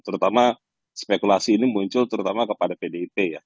terutama spekulasi ini muncul terutama kepada pdip ya